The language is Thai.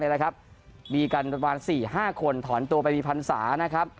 มีกับประมาณ๔๕คนถอนตัวไปมีพรรษา